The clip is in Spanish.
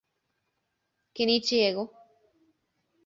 Kenichi Ego